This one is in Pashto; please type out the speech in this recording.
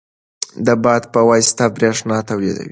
د باد په واسطه برېښنا تولید کړئ.